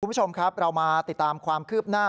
คุณผู้ชมครับเรามาติดตามความคืบหน้า